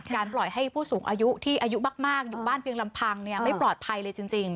ปล่อยให้ผู้สูงอายุที่อายุมากอยู่บ้านเพียงลำพังไม่ปลอดภัยเลยจริง